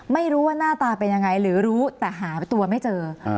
ไม่รู้ว่าหน้าตาเป็นยังไงหรือรู้แต่หาตัวไม่เจอ